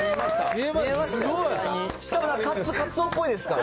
しかもカツオっぽいですから。